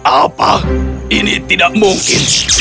apa ini tidak mungkin